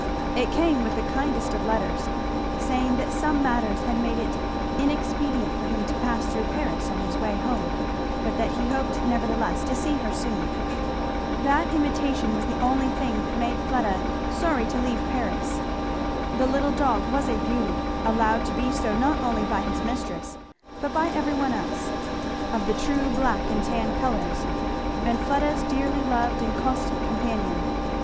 It came with the kindest of letters, saying that some matters had made it inexpedient for him to pass through Paris on his way home, but that he hoped nevertheless to see her soon. That intimation was the only thing that made Fleda sorry to leave Paris. The little dog was a beauty, allowed to be so not only by his mistress but by every one else; of the true black and tan colours; and Fleda's dearly loved and constant companion.